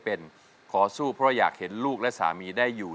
เปลี่ยนเพลงเพลงเก่งของคุณและข้ามผิดได้๑คำ